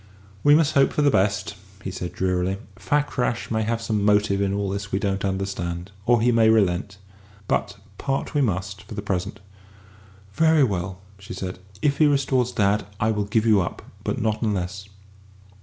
"We must hope for the best," he said drearily; "Fakrash may have some motive in all this we don't understand. Or he may relent. But part we must, for the present." "Very well," she said. "If he restores dad, I will give you up. But not unless."